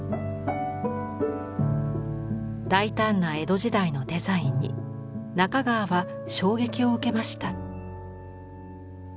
大胆な江戸時代のデザインに中川は衝撃を受けました。